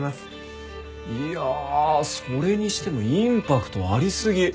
いやあそれにしてもインパクトありすぎ！